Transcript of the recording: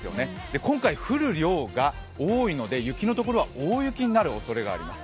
今回、降る量が多いので雪の所は大雪になるおそれがあります。